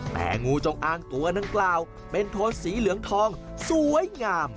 แต่งูจงอางตัวดังกล่าวเป็นโทนสีเหลืองทองสวยงาม